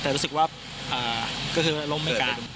แต่รู้สึกว่าก็คือล้มไม่กลาง